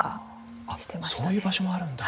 そういう場所もあるんだ。